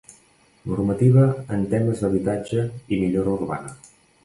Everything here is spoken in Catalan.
Normativa en temes d'habitatge i millora urbana.